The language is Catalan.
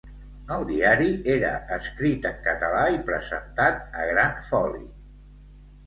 El diari era escrit en català i presentat a gran foli.